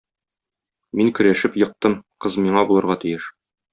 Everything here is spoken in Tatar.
Мин көрәшеп ектым, кыз миңа булырга тиеш.